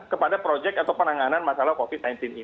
kepada proyek atau penanganan masalah covid sembilan belas ini